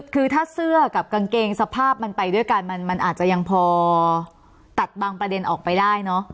คือถ้าเสื้อกับกางเกงสภาพมันไปด้วยกันมันอาจจะยังพอตัดบางประเด็นออกไปได้เนอะ